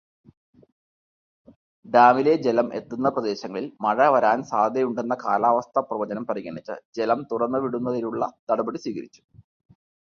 ഡാമിലെ ജലം എത്തുന്ന പ്രദേശങ്ങളില് മഴ വരാന് സാധ്യതയുണ്ടെന്ന കാലാവസ്ഥാ പ്രവചനം പരിഗണിച്ച് ജലം തുറന്നുവിടുന്നതിനുള്ള നടപടി സ്വീകരിച്ചു.